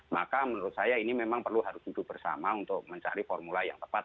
maka menurut saya ini memang perlu harus duduk bersama untuk mencari formula yang tepat